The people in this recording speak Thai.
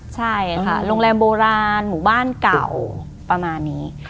ใช่ค่ะโรงแรมโบราณหมู่บ้านเก่าประมาณนี้